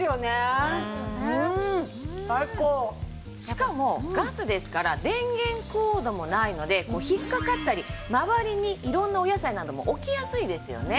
しかもガスですから電源コードもないので引っかかったり周りに色んなお野菜なども置きやすいですよね。